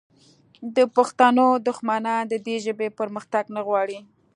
د پښتنو دښمنان د دې ژبې پرمختګ نه غواړي